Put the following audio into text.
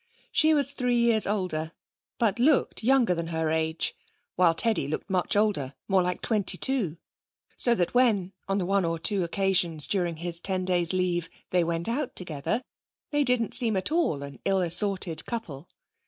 She was three years older, but looked younger than her age, while Teddy looked much older, more like twenty two. So that when on the one or two occasions during his ten days' leave they went out together, they didn't seem at all an ill assorted couple.